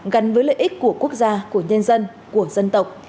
gắn với lợi ích của quốc gia của nhân dân của dân tộc